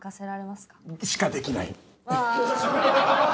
「しかできない」？